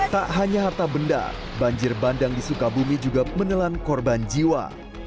tak hanya harta benda banjir bandang di sukabumi juga menelan korban jiwa